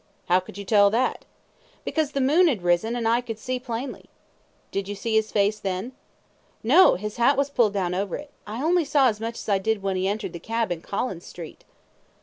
Q. How could you tell that? A. Because the moon had risen, and I could see plainly. Q. Did you see his face then? A. No; his hat was pulled down over it. I only saw as much as I did when he entered the cab in Collins Street.